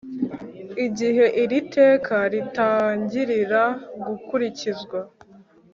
igihe iri teka ritangirira gukurikizwa